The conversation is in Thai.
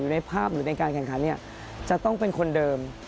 ในภาพหรือในการแข่งขันจะต้องเป็นคนเดิม